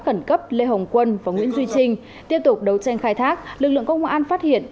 khẩn cấp lê hồng quân và nguyễn duy trinh tiếp tục đấu tranh khai thác lực lượng công an phát hiện